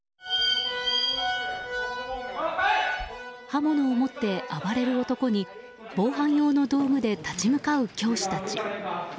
刃物を持って暴れる男に防犯用の道具で立ち向かう教師たち。